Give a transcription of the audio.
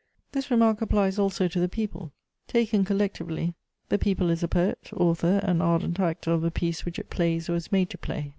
This remark applies also to the people: taken collectively, the people is a poet, author and ardent actor of the piece which it plays or is made to play.